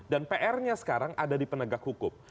dan pr nya sekarang ada di penegak hukum